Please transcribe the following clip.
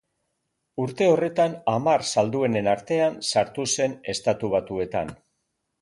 Urte horretan hamar salduenen artean sartu zen Estatu Batuetan.